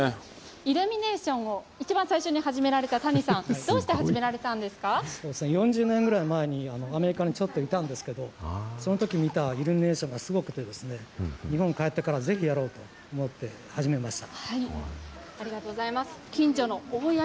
イルミネーションを一番最初に始められた谷さん、どうして始めら４０年ぐらい前に、アメリカにちょっといたんですけど、そのとき見たイルミネーションがすごくて、日本に帰ってから、ぜひやろうと思って、始めました。